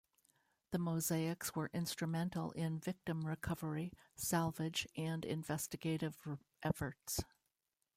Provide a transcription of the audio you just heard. The mosaics were instrumental in victim recovery, salvage and investigative efforts.